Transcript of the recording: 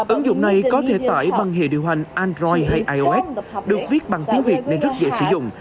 ứng dụng này có thể tải bằng hệ điều hành android hay ios được viết bằng tiếng việt nên rất dễ sử dụng